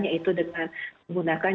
yaitu dengan menggunakan